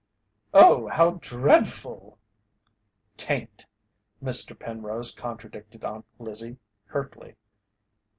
"Oh, how dread ful!" "'Tain't," Mr. Penrose contradicted Aunt Lizzie, curtly.